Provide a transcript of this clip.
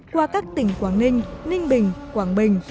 qua các tỉnh quảng ninh ninh bình quảng bình